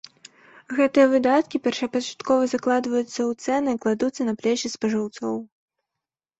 Гэтыя выдаткі першапачаткова закладваюцца ў цэны і кладуцца на плечы спажыўцоў.